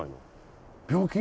病気？